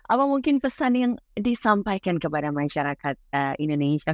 apa mungkin pesan yang disampaikan kepada masyarakat indonesia